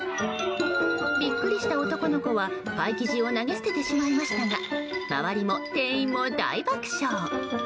びっくりした男の子はパイ生地を投げ捨ててしまいましたが周りも店員も大爆笑。